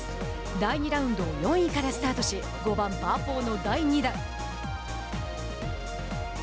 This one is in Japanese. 第２ラウンドを４位からスタートし５番パー４の第２打。